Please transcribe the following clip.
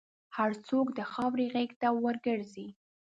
هر څوک د خاورې غېږ ته ورګرځي.